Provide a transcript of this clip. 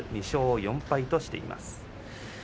２勝４敗としています。